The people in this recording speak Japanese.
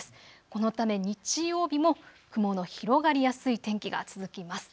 このため日曜日も雲の広がりやすい天気が続きます。